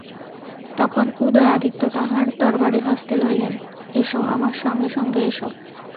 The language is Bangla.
তখন উদয়াদিত্য তাঁহার তরবারি হস্তে লইলেন, এস আমার সঙ্গে সঙ্গে এস।